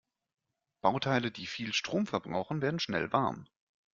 Bauteile, die viel Strom verbrauchen, werden schnell warm.